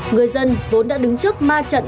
người dân vốn đã đứng trước ma trận